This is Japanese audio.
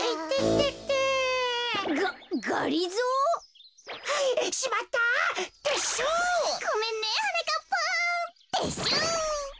てっしゅう。